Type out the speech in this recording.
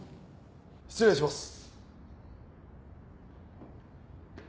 失礼します。